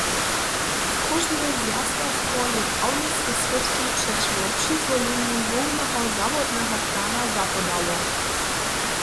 Skóržbne zwjazkarstwo je prawniske srědki přećiwo přizwolenju hłowneho zawodneho plana zapodało.